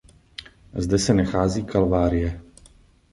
Zde se nachází Kalvárie.